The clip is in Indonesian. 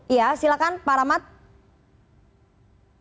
iya silahkan pak ramad